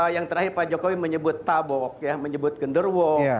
yang terakhir pak jokowi menyebut tabok ya menyebut genderwo